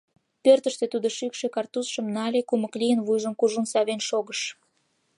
Пӧртыштӧ тудо шӱкшӧ картузшым нале, кумык лийын, вуйжым кужун савен шогыш.